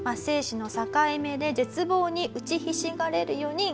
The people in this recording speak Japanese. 生死の境目で絶望に打ちひしがれる４人。